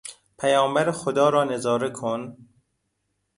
پیامبر خدا را نظاره کن!